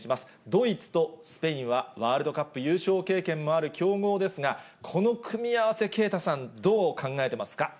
ドイツとスペインはワールドカップ優勝経験もある強豪ですが、この組み合わせ、啓太さん、どう考えてますか。